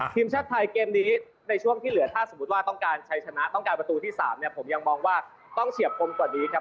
ทีมชาติไทยเกมนี้ในช่วงที่เหลือถ้าสมมุติว่าต้องการใช้ชนะต้องการประตูที่๓เนี่ยผมยังมองว่าต้องเฉียบคมกว่านี้ครับ